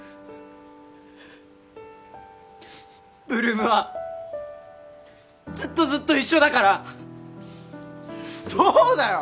８ＬＯＯＭはずっとずっと一緒だからそうだよ！